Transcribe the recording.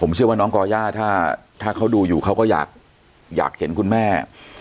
เชื่อว่าน้องก่อย่าถ้าเขาดูอยู่เขาก็อยากเห็นคุณแม่